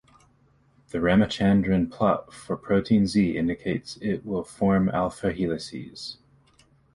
The Ramachandran plot for protein Z indicates it will form alpha helices.